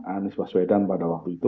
anies baswedan pada waktu itu